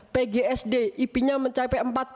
pgsd ip nya mencapai